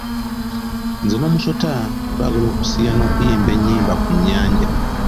Nze n'omusota twagala okusiiya n'okuyimba enyimba ku nyanja.